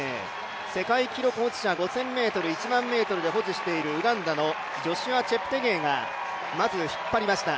世界記録保持者、５０００ｍ、１００００ｍで保持しているウガンダのジョシュア・チェプテゲイがまず引っ張りました。